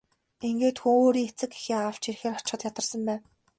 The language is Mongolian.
Ингээд хүү өөрийн эцэг эхээ авч ирэхээр очиход ядарсан байв.